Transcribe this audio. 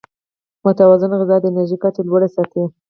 متوازن غذا د انرژۍ کچه لوړه ساتي.